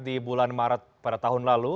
di bulan maret pada tahun lalu